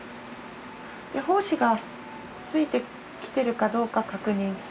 胞子がついてきてるかどうか確認する？